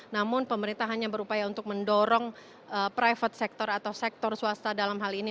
namun pemerintah hanya berupaya untuk mendorong private sector atau sektor swasta dalam hal ini